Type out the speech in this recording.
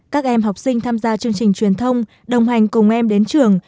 các em học sinh tham gia chương trình truyền thông đồng hành cùng em đến trường